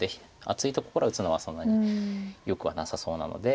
厚いところを打つのはそんなによくはなさそうなので。